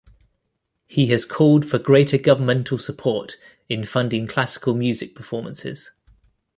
He has called for greater governmental support in funding classical music performances.